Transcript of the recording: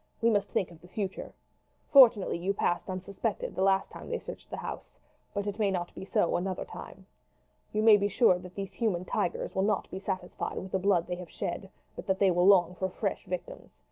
We must think of the future. Fortunately you passed unsuspected the last time they searched the house; but it may not be so another time. You may be sure that these human tigers will not be satisfied with the blood they have shed, but that they will long for fresh victims.